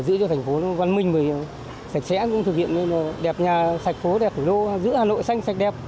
giữ thành phố văn minh sạch sẽ đẹp nhà sạch phố đẹp hủy lô giữ hà nội xanh sạch đẹp